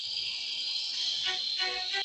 موږ د اسمان کچکول ته سل ځله لمن ونیول